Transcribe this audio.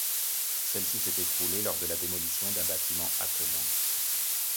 Celle-ci s'est écroulée lors de la démolition d’un bâtiment attenant.